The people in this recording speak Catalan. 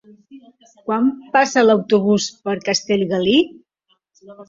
Quan passa l'autobús per Castellgalí?